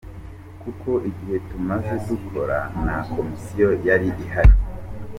Kuko igihe tumaze dukora, nta Komisiyo yari ihari.